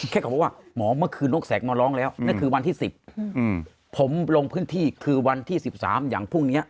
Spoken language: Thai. เขาบอกว่าหมอเมื่อคืนนกแกกมาร้องแล้วนั่นคือวันที่๑๐ผมลงพื้นที่คือวันที่๑๓อย่างพรุ่งนี้